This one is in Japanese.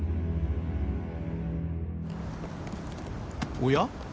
おや？